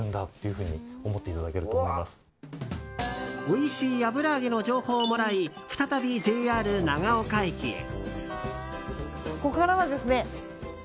おいしい油揚げの情報をもらい再びＪＲ長岡駅へ。